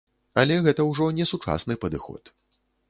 Але гэта ўжо не сучасны падыход.